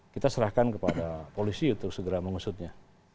kita serahkan kepada polisi untuk segera mengusutnya